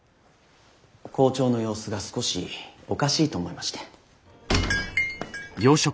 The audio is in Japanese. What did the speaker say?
校長の様子が少しおかしいと思いまして。